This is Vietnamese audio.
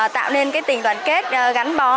tạo nên tình đoàn kết gắn bó